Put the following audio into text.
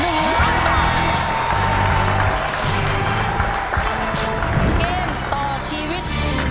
เกมต่อชีวิต